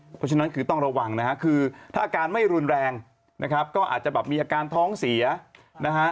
เพราะฉะนั้นคือต้องระวังนะฮะคือถ้าอาการไม่รุนแรงนะครับก็อาจจะแบบมีอาการท้องเสียนะฮะ